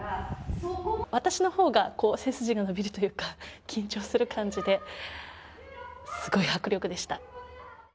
私の方が背筋が伸びるというか緊張する感じですごい迫力でした。